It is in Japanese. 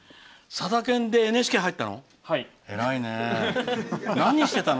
さだ研でＮＨＫ入ったの？